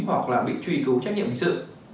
hoặc là bị truy cứu trách nhiệm hình sự